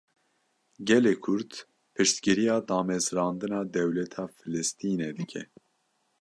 Gelê Kurd, piştgiriya damezrandina dewleta Filistînê dike